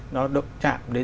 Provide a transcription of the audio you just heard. nó đột chạm đến